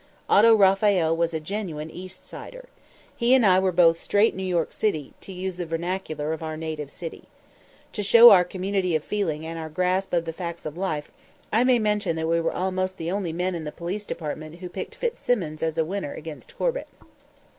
Otto Raphael was a genuine East Sider. He and I were both "straight New York," to use the vernacular of our native city. To show our community of feeling and our grasp of the facts of life, I may mention that we were almost the only men in the Police Department who picked Fitzsimmons as a winner against Corbett.